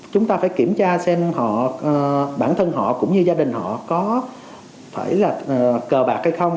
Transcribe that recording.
chúng ta phải kiểm tra xem họ bản thân họ cũng như gia đình họ có phải là cờ bạc hay không